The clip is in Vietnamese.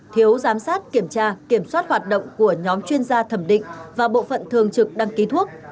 thiếu giám sát kiểm tra kiểm soát hoạt động của nhóm chuyên gia thẩm định và bộ phận thường trực đăng ký thuốc